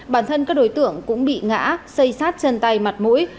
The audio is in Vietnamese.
bản thân các đối tượng cũng bị ngã xây sát chân tay mặt mũi